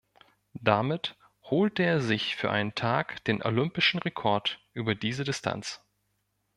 Damit holte er sich für einen Tag den olympischen Rekord über diese Distanz.